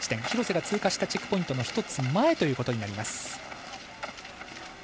廣瀬が通過したチェックポイントの１つ前となります。